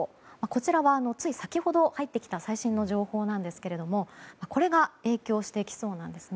こちらはつい先ほど入ってきた最新の情報なんですがこれが影響してきそうなんです。